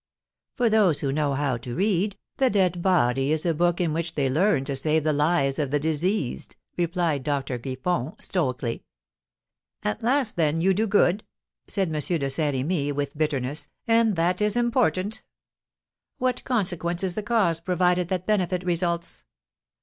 "For those who know how to read, the dead body is a book in which they learn to save the lives of the diseased!" replied Dr. Griffon, stoically. "At last, then, you do good?" said M. de Saint Remy, with bitterness; "and that is important. What consequence is the cause provided that benefit results?